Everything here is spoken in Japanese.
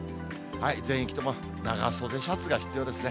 全域とも長袖シャツが必要ですね。